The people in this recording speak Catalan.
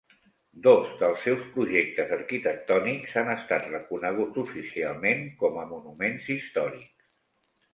Dos dels seus projectes arquitectònics han estat reconeguts oficialment com a monuments històrics.